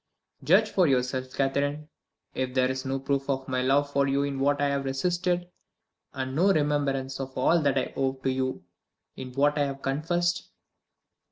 "Judge for yourself, Catherine, if there is no proof of my love for you in what I have resisted and no remembrance of all that I owe to you in what I have confessed."